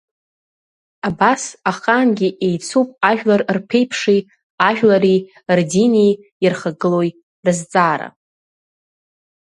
Абас, ахаангьы еицуп ажәлар рԥеиԥши, ажәлари, рдини, ирхагылои рызҵаара.